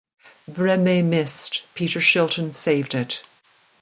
Brehme missed; Peter Shilton saved it.